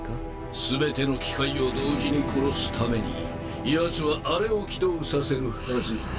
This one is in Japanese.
全ての機械を同時に殺すためにヤツはあれを起動させるはず。